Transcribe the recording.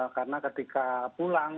karena ketika pulang